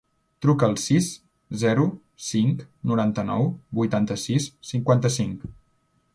Truca al sis, zero, cinc, noranta-nou, vuitanta-sis, cinquanta-cinc.